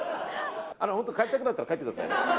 本当、帰りたくなったら帰ってください。